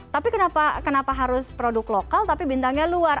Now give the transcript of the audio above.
tapi kenapa harus produk lokal tapi bintangnya luar